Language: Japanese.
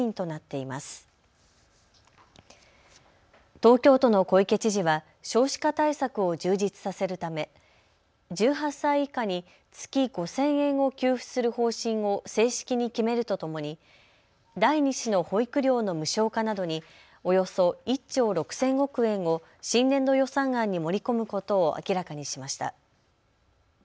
東京都の小池知事は少子化対策を充実させるため１８歳以下に月５０００円を給付する方針を正式に決めるとともに第２子の保育料の無償化などにおよそ１兆６０００億円を新年度予算案に盛り込むことを明らかにしました。